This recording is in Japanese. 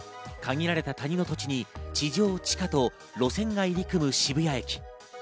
限られた谷の土地に、地上地下と路線が入り組む渋谷駅。